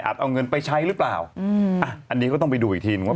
อาจเอาเงินไปใช้หรือเปล่าอันนี้ก็ต้องไปดูอีกทีวันว่า